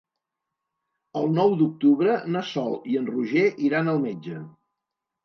El nou d'octubre na Sol i en Roger iran al metge.